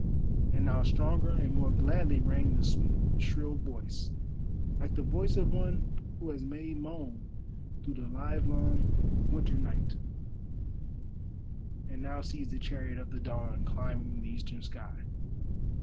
And now stronger and more gladly rang the sweet shrill voice, like the voice of one who has made moan through the livelong winter night, and now sees the chariot of the dawn climbing the eastern sky.